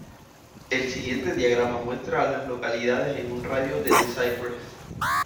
El siguiente diagrama muestra a las localidades en un radio de de Cypress.